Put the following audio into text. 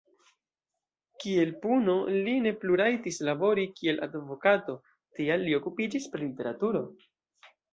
Kiel puno, li ne plu rajtis labori, kiel advokato, tial li okupiĝis pri literaturo.